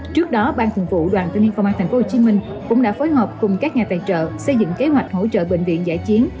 trước đó ban thường vụ đoàn thanh niên công an tp hcm cũng đã phối hợp cùng các nhà tài trợ xây dựng kế hoạch hỗ trợ bệnh viện giải chiến